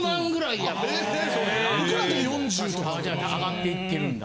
・え・じゃあ上がっていってるんだ。